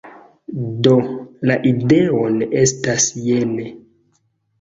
Do, la ideon estas jene: